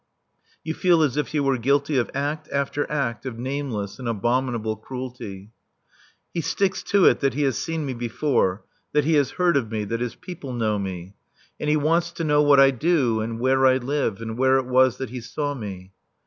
You feel as if you were guilty of act after act of nameless and abominable cruelty. He sticks to it that he has seen me before, that he has heard of me, that his people know me. And he wants to know what I do and where I live and where it was that he saw me.